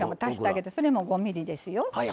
それも５ｍｍですよ。